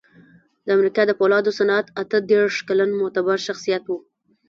د امریکا د پولادو صنعت اته دېرش کلن معتبر شخصیت و